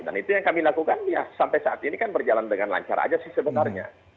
dan itu yang kami lakukan sampai saat ini kan berjalan dengan lancar saja sih sebenarnya